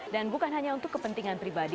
dan bukan hanya untuk kepentingan pribadi